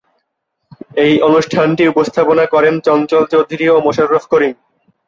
এই অনুষ্ঠানটি উপস্থাপনা করেন চঞ্চল চৌধুরী ও মোশাররফ করিম।